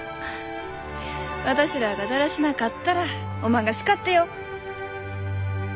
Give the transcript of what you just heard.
私らあがだらしなかったらおまんが叱ってよ。